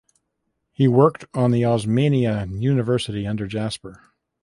He worked on the Osmania University under Jasper.